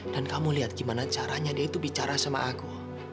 dan kamu lihat gimana caranya dia itu bicara sama aku